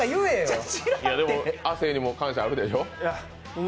亜生にも感謝あるでしょう？